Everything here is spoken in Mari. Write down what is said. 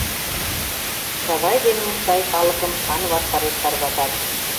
Чавай ден Мустай калыкым хан ваштареш тарватат.